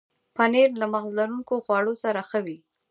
پنېر له مغز لرونکو خواړو سره ښه وي.